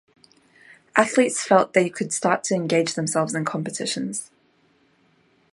Athletes felt they could start to engage themselves in competitions.